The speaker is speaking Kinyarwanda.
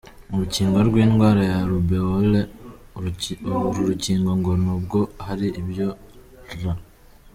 Urukingo rw’indwara ya Rubeole: uru rukingo ngo nubwo hari ibyo r.